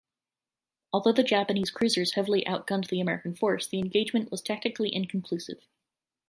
Although the Japanese cruisers heavily outgunned the American force, the engagement was tactically inconclusive.